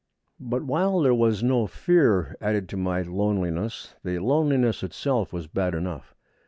But while there was no fear added to my loneliness, the loneliness itself was bad enough.